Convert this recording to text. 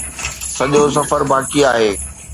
سڄو سفر باقي آهي